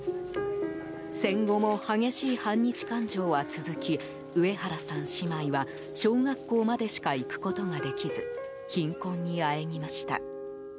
戦後も激しい反日感情は続きウエハラさん姉妹は小学校までしか行くことができず貧困にあえぎました。